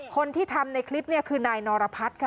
คนที่ทำในคลิปเนี่ยคือนายนรพัฒน์ค่ะ